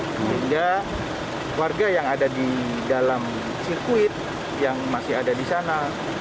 sehingga warga yang ada di dalam sirkuit yang masih ada di sana